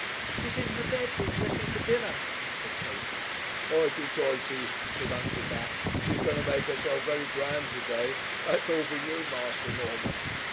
'She's in her bedroom, dressing for dinner,' said Katie. 'Hoity toity,' said Uncle Bat, 'she's going to make herself very grand to day. That's all for you, Master Norman.